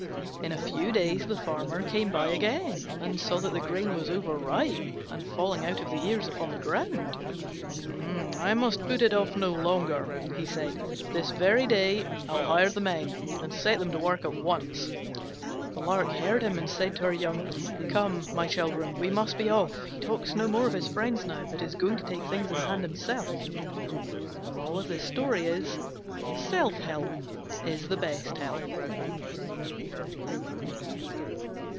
In a few days the Farmer came by again, and saw that the grain was overripe and falling out of the ears upon the ground. "I must put it off no longer," he said; "This very day I'll hire the men and set them to work at once." The Lark heard him and said to her young, "Come, my children, we must be off: he talks no more of his friends now, but is going to take things in hand himself." Self help is the best help.